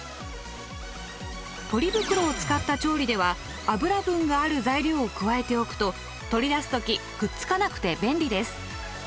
ポリ袋を使った調理では脂分がある材料を加えておくと取り出す時くっつかなくて便利です。